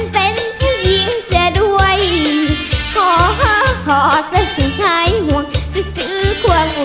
โปรดติดตามต่อไป